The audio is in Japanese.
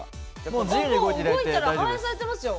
もう動いたら反映されてますよ。